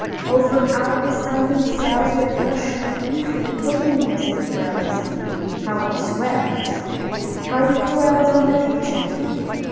Oh, from out the sounding cells, What a gush of euphony voluminously wells! How it swells! How it dwellsOn the Future!